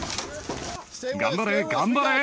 頑張れ、頑張れ。